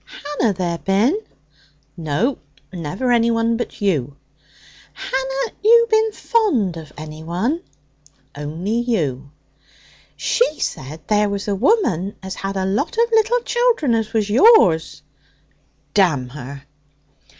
'Hanna there bin?' 'No. Never anyone but you.' 'Hanna you bin fond of anyone?' 'Only you.' 'She said there was a woman as had a lot of little children, as was yours.' 'Damn her!'